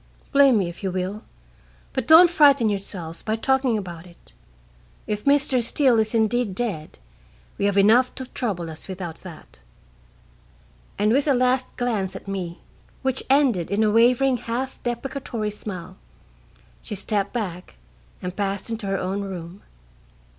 Blame me if you will, but don't frighten yourselves by talking about it. If Mr. Steele is indeed dead, we have enough to trouble us without that." And with a last glance at me, which ended in a wavering half deprecatory smile, she stepped back and passed into her own room.